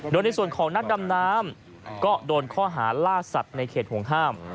โดยในส่วนของนักดำน้ำก็โดนข้อหาล่าสัตว์ในเขตห่วงห้าม